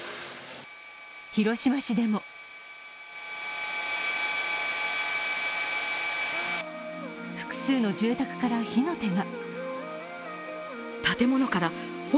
広島市でも複数の住宅から火の手が。